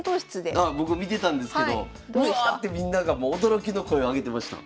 あ僕見てたんですけど「うわあ！」ってみんながもう驚きの声を上げてました。